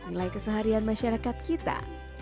nilai keseharian masyarakat kita